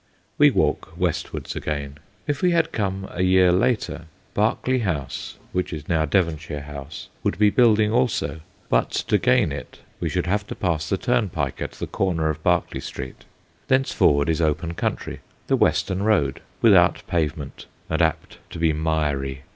We walk westwards again. If we had come a year later Berkeley House, which is now Devonshire House, would be building also, but to gain it we should have to pass the turnpike at the corner of Berkeley Street. Thenceforward is open country, the Western Road, without pavement and apt to be miry.